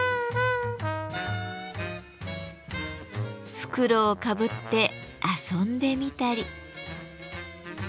袋をかぶって遊んでみたり。